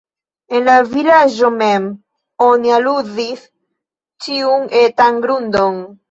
En la vilaĝo mem oni eluzis ĉiun etan grundon.